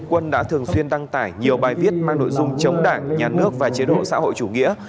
quân đã thường xuyên đăng tải nhiều bài viết mang nội dung chống đảng nhà nước và chế độ xã hội chủ nghĩa